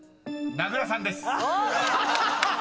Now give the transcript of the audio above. ［名倉さんです］